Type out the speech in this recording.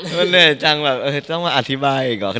มันเหนื่อยจังแบบต้องมาอธิบายอีกหรอ